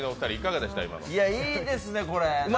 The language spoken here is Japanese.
いいですね、これ。